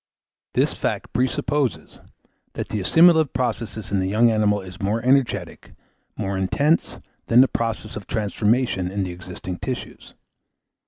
This fact presupposes, that the assimilative process in the young animal is more energetic, more intense, than the process of transformation in the existing tissues.